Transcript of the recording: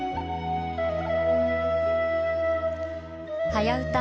「はやウタ」